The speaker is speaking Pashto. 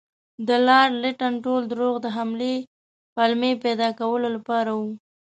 د لارډ لیټن ټول دروغ د حملې پلمې پیدا کولو لپاره وو.